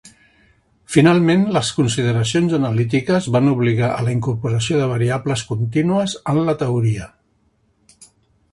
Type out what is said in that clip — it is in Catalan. Finalment, les consideracions analítiques van obligar a la incorporació de variables contínues en la teoria.